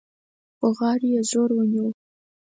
بغارو يې زور ونيو.